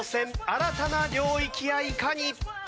新たな領域やいかに。